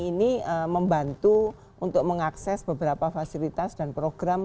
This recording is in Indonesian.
yang diperlukan untuk mengakses beberapa fasilitas dan program